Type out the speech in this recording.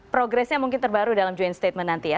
progresnya mungkin terbaru dalam joint statement nanti ya